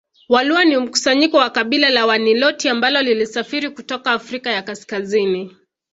Waluo ni mkusanyiko wa kabila la Waniloti ambalo lilisafiri kutoka Afrika ya Kaskazini